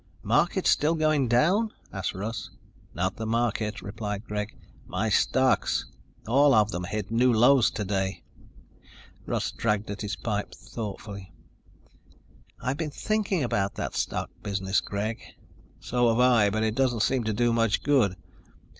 "Market still going down?" asked Russ. "Not the market," replied Greg. "My stocks. All of them hit new lows today." Russ dragged at the pipe thoughtfully. "I've been thinking about that stock business, Greg." "So have I, but it doesn't seem to do much good."